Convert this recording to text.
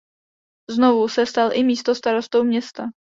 Znovu se stal i místostarostou města.